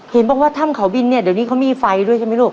เห็นบอกว่าถ้ำเขาบินเนี่ยเดี๋ยวนี้เขามีไฟด้วยใช่ไหมลูก